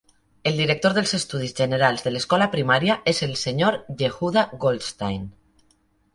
El director dels estudis generals de l'escola primària és el Sr. Yehuda Goldstein.